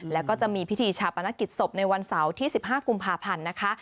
แล้วก็จะมีพิธีชาปนกิจศพในวันเสาร์ที่๑๕กุมภาพันธ์นะคะ